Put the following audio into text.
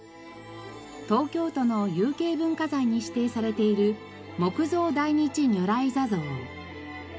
東京都の有形文化財に指定されている木造大日如来坐像。